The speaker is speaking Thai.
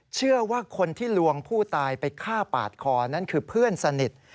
เชื่อว่าคนที่ลวงผู้ตายไปฆ่าปาดคอนั่นคือเพื่อนสนิท